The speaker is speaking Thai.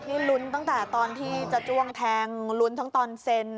นี่ลุ้นตั้งแต่ตอนที่จะจ้วงแทงลุ้นทั้งตอนเซ็น